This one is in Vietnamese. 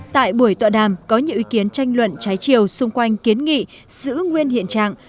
tại buổi tọa đàm có nhiều ý kiến tranh luận trái chiều xung quanh kiến nghị giữ nguyên hiện trạng